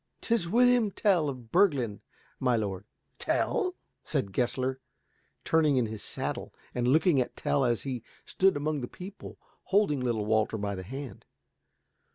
"'Tis William Tell of Bürglen, my lord." "Tell?" said Gessler, turning in his saddle and looking at Tell as he stood among the people, holding little Walter by the hand.